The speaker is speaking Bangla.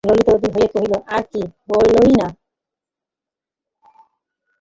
ললিতা অধীর হইয়া কহিল, আর কী, বলোই-না।